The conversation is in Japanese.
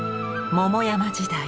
桃山時代